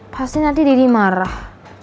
pasti nanti didi marah